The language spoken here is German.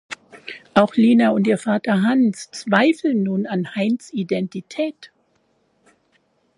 Auch Lina und ihr Vater Hans zweifeln nun an Heinz‘ Identität.